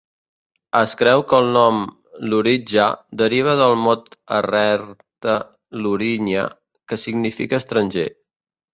Es creu que el nom "luritja" deriva del mot arrernte "lurinya", que significa "estranger".